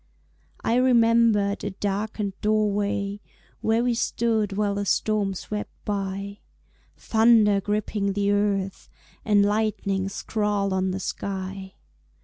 I remembered a darkened doorway Where we stood while the storm swept by, Thunder gripping the earth And lightning scrawled on the sky.